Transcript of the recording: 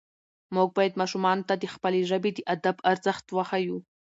موږ باید ماشومانو ته د خپلې ژبې د ادب ارزښت وښیو